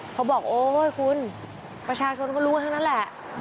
เขาบอกโอ๊ยคุณประชาชนก็รู้ทั้งนั้นแหละ